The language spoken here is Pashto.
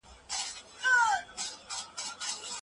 نظريې بايد د واقعيتونو سره سمې وي.